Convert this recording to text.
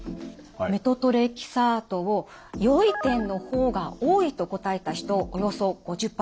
メトトレキサートを「良い点の方が多い」と答えた人およそ５０％。